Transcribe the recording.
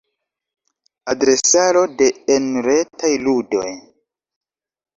Adresaro de enretaj ludoj.